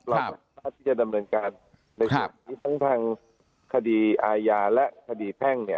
ที่จะดำเนินการในส่วนที่ทั้งทางคดีอายาและคดีแพร่งเนี่ย